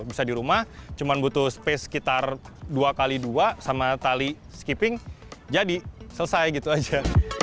bisa di rumah cuma butuh space sekitar dua x dua sama tali skipping jadi selesai gitu aja